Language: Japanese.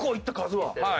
はい。